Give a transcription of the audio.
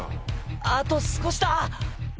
あと少しだ。